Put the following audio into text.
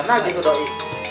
jangan lagi itu doi